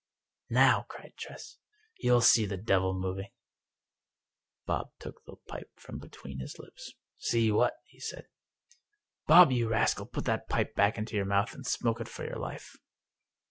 '" Now/' cried Tress, " you'll see the devil moving." Bob took the pipe from between his lips. "See what?" he said. " Bob, you rascal, put that pipe back into your mouth, and smoke it for your life